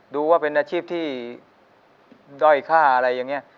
ดูว่าเป็นอาชีพที่ด้อยค่าอะไรอย่างนี้